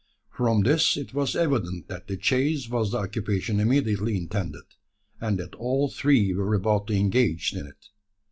From this it was evident that the chase was the occupation immediately intended, and that all three were about to engage in it.